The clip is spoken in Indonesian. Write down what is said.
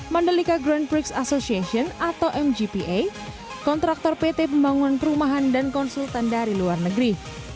mandalika grand prix association atau mgpa kontraktor pt pembangunan perumahan dan konsultan dari luar negeri